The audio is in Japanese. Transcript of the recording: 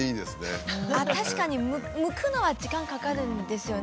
確かにむくのは時間かかるんですよね。